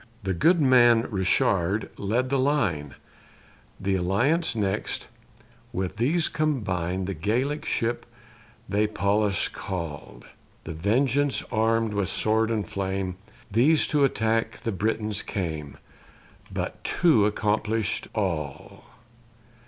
The Good Man Richard led the line; The Alliance next: with these combine The Gallic ship they Pallas call, The Vengeance arm'd with sword and flame; These to attack the Britons came But two accomplish'd all.